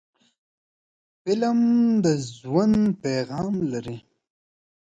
فلم د ژوند پیغام لري